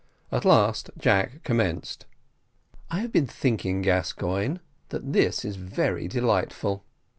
At last Jack commenced. "I have been thinking, Gascoigne, that this is very delightful.